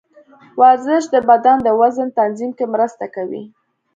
ورزش د بدن د وزن تنظیم کې مرسته کوي.